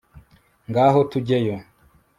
ngaho tujyeyo